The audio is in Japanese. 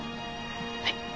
はい。